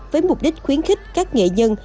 với mục đích khuyến khích các nghệ nhân